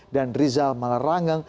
dan rizal malarangeng